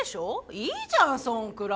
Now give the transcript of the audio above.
いいじゃんそんくらい。